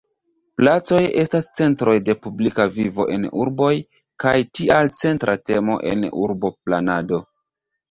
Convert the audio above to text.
Placoj estas centroj de publika vivo en urboj kaj tial centra temo en urboplanado.